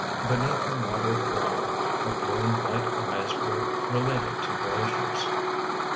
Beneath her moderate brow her blue and white eyes were related to glaciers.